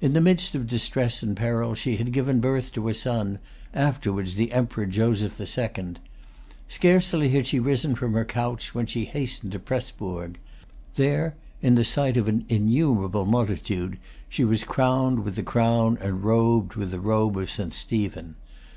In the midst of distress and peril she had given birth to a son, afterwards the Emperor Joseph the Second. Scarcely had she risen from her couch, when she hastened to Presburg. There, in the sight of an innumerable multitude, she was crowned with the crown and robed with the robe of St. Stephen.